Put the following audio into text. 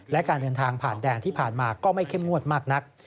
และการเดินทางผ่านแดนที่ผ่านมาก็ไม่เข้มงวดมากนัก